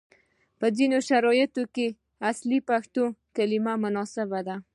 په ځینو شرایطو کې اصلي پښتو کلمه مناسبه ده،